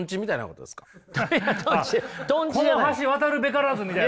「この橋渡るべからず」みたいな？